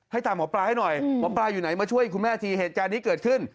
ตามหมอปลาให้หน่อยหมอปลาอยู่ไหนมาช่วยคุณแม่ทีเหตุการณ์นี้เกิดขึ้น